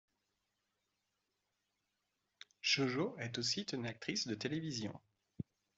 JoJo est aussi une actrice de télévision.